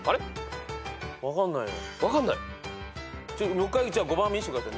もう一回５番見してください。